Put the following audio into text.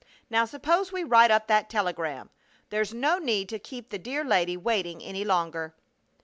Now suppose we write up that telegram. There's no need to keep the dear lady waiting any longer."